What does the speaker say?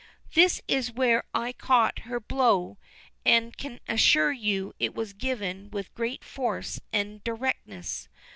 "That is where I caught her blow, and can assure you it was given with great force and directness.